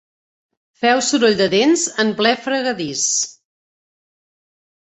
Feu soroll de dents en ple fregadís.